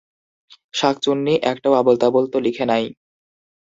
শাঁকচুন্নী একটাও আবোল-তাবোল তো লিখে নাই।